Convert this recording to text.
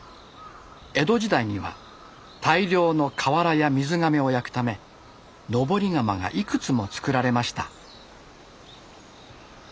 江戸時代には大量の瓦や水がめを焼くため登り窯がいくつもつくられました。